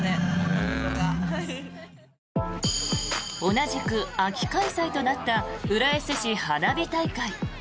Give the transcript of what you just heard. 同じく秋開催となった浦安市花火大会。